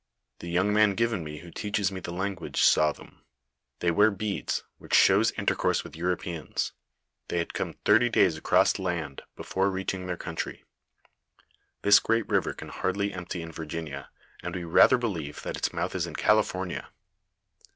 The young man given me who teaches me the lan guage saw them ; they wear beads, which shows intercourse with Europeans ; they had come thirty days across land be fore reaching their country. This great river can hardly empty in Virginia, and we rather believe that its mouth is in California.